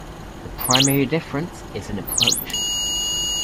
The primary difference is in approach.